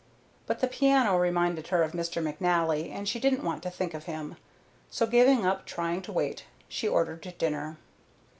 But the piano reminded her of Mr. McNally, and she didn't want to think of him; so giving up trying to wait she ordered dinner.